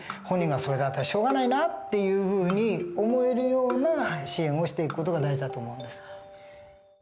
本人が「それだったらしょうがないな」っていうふうに思えるような支援をしていく事が大事だと思うんです。